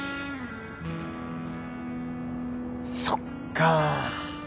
そっか。